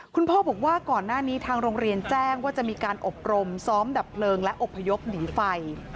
คุณพ่อบอกว่าก่อนหน้านี้ทางโรงเรียนแจ้งว่าจะมีการอบรมซ้อมดับเพลิงและอบพยพหนีไฟ